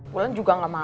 kalo gue hmm agak lah ya